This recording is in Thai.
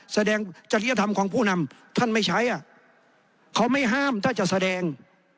จริยธรรมของผู้นำท่านไม่ใช้อ่ะเขาไม่ห้ามถ้าจะแสดง